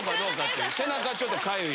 背中ちょっとかゆい。